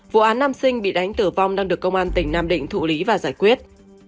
vụ án nam sinh bị đánh tử vong đang được công an tỉnh nam định thụ lý và giải quyết